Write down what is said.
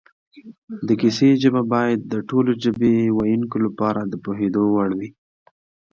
د کیسې ژبه باید د ټولو ژبې ویونکو لپاره د پوهېدو وړ وي